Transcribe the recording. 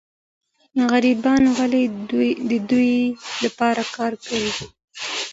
غریبان ولي د دوی لپاره کار کوي؟